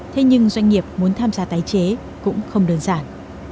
thế nhưng doanh nghiệp muốn tham gia tái chế cũng không đơn giản